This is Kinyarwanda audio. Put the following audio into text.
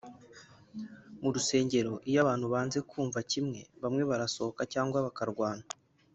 mu rusengero iyo abantu banze kumva kimwe bamwe barasohoka cyangwa bakarwana